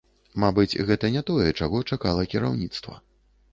Мабыць, гэта не тое, чаго чакала кіраўніцтва.